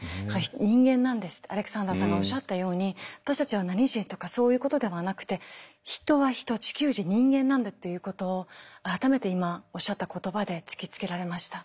「人間なんです」ってアレクサンダーさんがおっしゃったように私たちは何人とかそういうことではなくて人は人地球人人間なんだっていうことを改めて今おっしゃった言葉で突きつけられました。